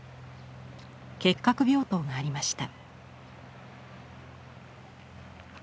結核病棟がありました。